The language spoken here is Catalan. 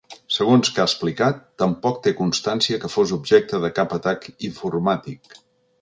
Segons que ha explicat, tampoc té constància que fos objecte de cap atac informàtic.